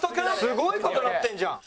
すごい事になってんじゃん。